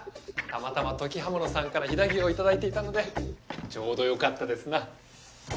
たまたま土岐刃物さんから飛騨牛を頂いていたのでちょうどよかったですな。